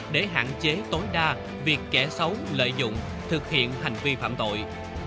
để hạn chế tối đa việc kẻ xấu lợi dụng thực hiện hành vi phạm tội